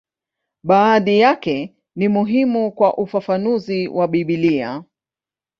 Baadhi yake ni muhimu kwa ufafanuzi wa Biblia.